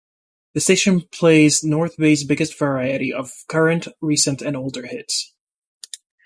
The station plays "North Bay's Biggest Variety" of current, recent and older hits.